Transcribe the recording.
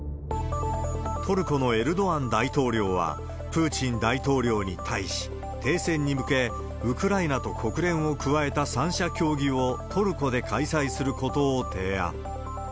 トルコのエルドアン大統領はプーチン大統領に対し、停戦に向け、ウクライナと国連を加えた３者協議を、トルコで開催することを提案。